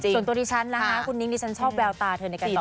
ส่วนตัวดิฉันนะคะคุณนิ้งดิฉันชอบแววตาเธอในการตอบ